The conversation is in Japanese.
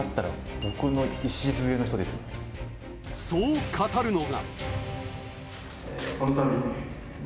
そう語るのが。